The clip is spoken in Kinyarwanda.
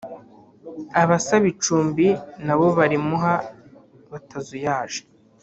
abasaba icumbi nabo barimuha batazuyaje